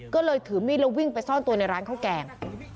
ก็เลยถือมีดแล้ววิ่งไปซ่อนตัวในร้านข้าวแกง